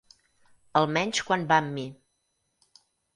Almenys quan va amb mi.